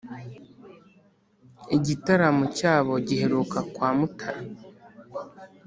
Igitaramo cyabo giheruka kwa Mutara